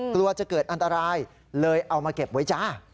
กลัวจะเกิดอันตรายเลยเอามาเก็บไว้จ้า